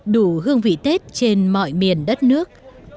đủ hương vị tết trên mọi miền đất nước